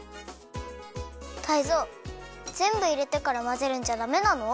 タイゾウぜんぶいれてからまぜるんじゃダメなの？